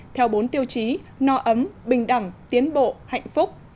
theo bốn tiêu chí no ấm bình đẳng tiến bộ hạnh phúc